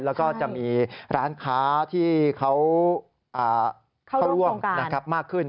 แล้วก็จะมีร้านค้าที่เขาเข้าร่วมมากขึ้น